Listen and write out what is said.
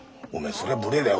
そりゃ無礼だよ